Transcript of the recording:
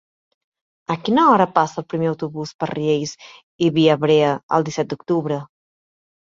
A quina hora passa el primer autobús per Riells i Viabrea el disset d'octubre?